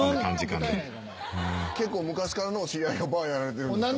結構昔からのお知り合いがバーやられてるんですか？